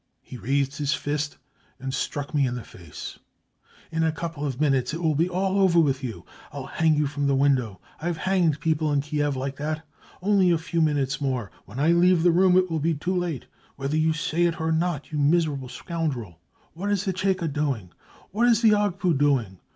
... He raised his fist and struck me in the face : 4 In a couple of minutes it will be all over with you. I'll hang you from the window. Fve hanged people in Kiev like that. Only a few minutes more : when I leave the room ^ will be too latf*, whether you say it or not. You miserable scoundrel ! What is the Cheka doing ? What is the Ogpu doing